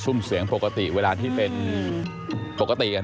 ุ่มเสียงปกติเวลาที่เป็นปกติ